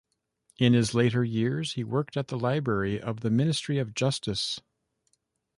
In his later years, he worked at the library of the Ministry of Justice.